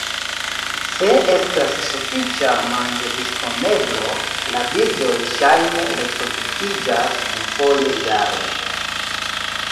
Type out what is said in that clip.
Se estas sufiĉa manĝodisponeblo, la birdoj ŝajne reproduktiĝas dufoje jare.